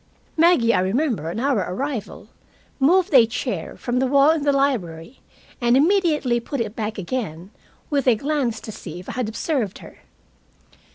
Maggie, I remember, on our arrival moved a chair from the wall in the library, and immediately put it back again, with a glance to see if I had observed her.